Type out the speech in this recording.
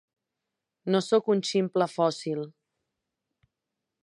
No sóc un ximple fòssil.